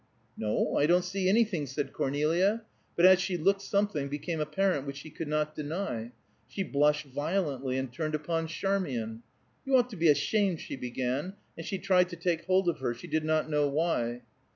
"No, I don't see anything," said Cornelia, but as she looked something became apparent which she could not deny. She blushed violently and turned upon Charmian. "You ought to be ashamed," she began, and she tried to take hold of her; she did not know why.